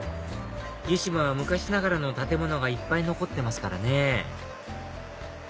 湯島は昔ながらの建物がいっぱい残ってますからね